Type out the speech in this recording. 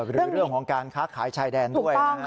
หรือเรื่องของการค้าขายชายแดนด้วยนะฮะ